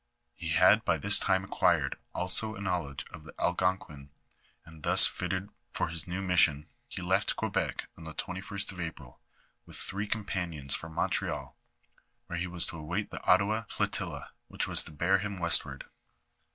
He had by this time acquired also a knowledge of the Al gonquin, and thus fitted for his new mission, he left Quebec on the 2l8t of April with three companions for Montreal, where he was to await the Ottawa flotillaj which was to bear him westward.